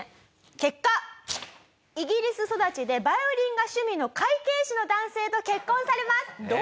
結果イギリス育ちでバイオリンが趣味の会計士の男性と結婚されます。